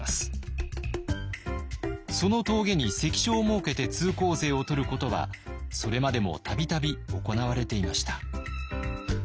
その峠に関所を設けて通行税を取ることはそれまでも度々行われていました。